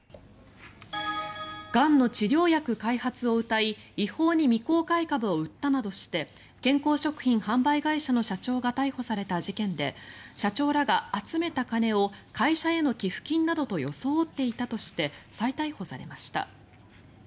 がんの治療薬開発をうたい違法に未公開株を売ったなどとして健康食品販売会社の社長が逮捕された事件で社長らが集めた金を会社への寄付金などと装っていたとして再逮捕されました。